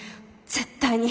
絶対に。